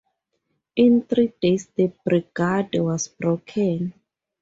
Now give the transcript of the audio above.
In three days the brigade was broken.